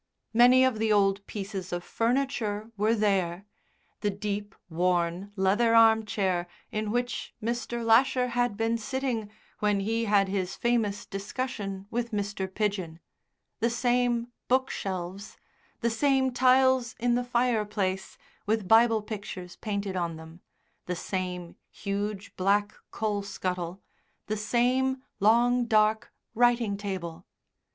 Many of the old pieces of furniture were there the deep, worn leather arm chair in which Mr. Lasher had been sitting when he had his famous discussion with Mr. Pidgen, the same bookshelves, the same tiles in the fireplace with Bible pictures painted on them, the same huge black coal scuttle, the same long, dark writing table.